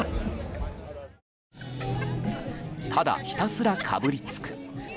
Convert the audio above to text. ただひたすら、かぶりつく。